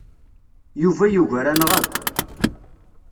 Yuba yugar-aneɣ akk.